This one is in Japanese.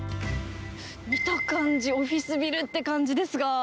見た感じ、オフィスビルって感じですが。